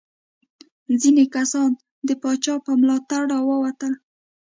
ځینې کسان د پاچا په ملاتړ راووتل.